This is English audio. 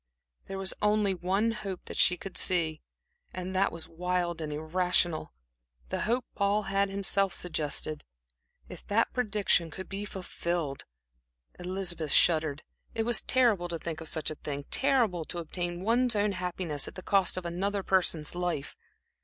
There was only one hope that she could see, and that was wild and irrational; the hope Paul had himself suggested. If that prediction could be fulfilled! Elizabeth shuddered. It was terrible to think of such a thing; terrible to obtain one's own happiness at the cost of another person's life.